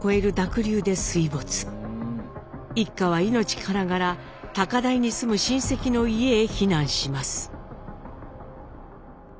一家は命からがら高台に住む親戚の家へ避難します。